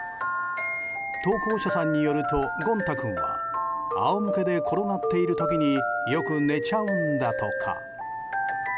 投稿者さんによると、ごん太君は仰向けで転がっている時によく寝ちゃうんだとか。